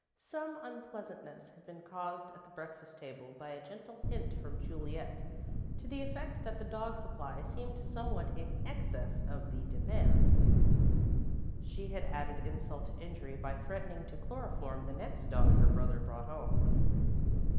Some unpleasantness had been caused at the breakfast table by a gentle hint from Juliet to the effect that the dog supply seemed somewhat in excess of the demand. She had added insult to injury by threatening to chloroform the next dog her brother brought home.